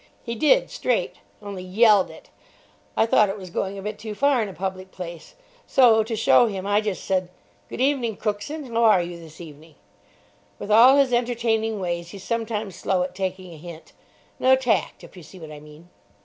He did, straight. Only yelled it. I thought it was going a bit too far in a public place. So, to show him, I just said "Good evening, Cookson; how are you this evening?" With all his entertaining ways he's sometimes slow at taking a hint. No tact, if you see what I mean.